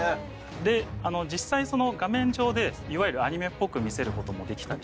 で実際その画面上でいわゆるアニメっぽく見せることもできたりしていて。